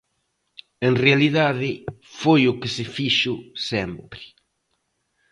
En realidade, foi o que se fixo sempre.